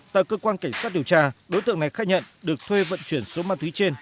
tại cơ quan cảnh sát điều tra đối tượng này khai nhận được thuê vận chuyển số ma túy trên